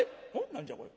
何じゃこれ？